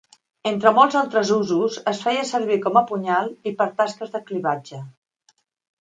Entre molts altres usos, es feia servir com a punyal i per a tasques de clivatge.